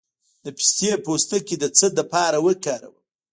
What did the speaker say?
د پسته پوستکی د څه لپاره وکاروم؟